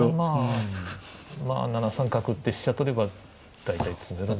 まあ７三角打って飛車取れば大体詰めろに。